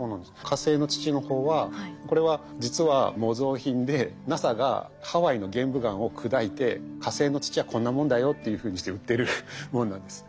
火星の土の方はこれは実は模造品でＮＡＳＡがハワイの玄武岩を砕いて火星の土はこんなもんだよっていうふうにして売ってるものなんです。